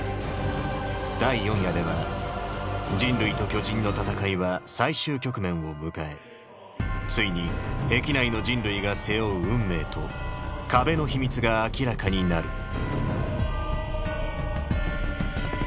第４夜では人類と巨人の戦いは最終局面を迎えついに壁内の人類が背負う運命と壁の秘密が明らかになる